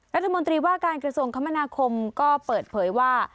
รัฐมนตรีว่าการกระทรวงคมนาคมก็เปิดเผยว่า